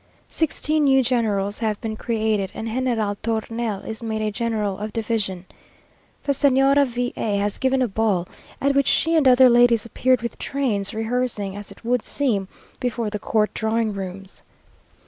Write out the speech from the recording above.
Sixteen new generals have been created; and General Tornel is made a General of Division. The Señora V a has given a ball, at which she and other ladies appeared with trains, rehearsing, as it would seem, before the court drawing rooms.